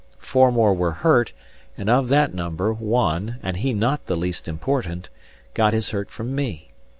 Four more were hurt, and of that number, one (and he not the least important) got his hurt from me.